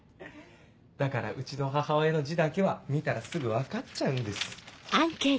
だからうちの母親の字だけは見たらすぐ分かっちゃうんです。